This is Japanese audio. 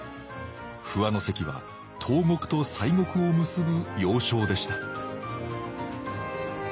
不破関は東国と西国を結ぶ要衝でした